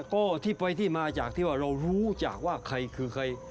ก็ที่ไปที่มาจากที่ว่าเรารู้จักว่าใครคือใคร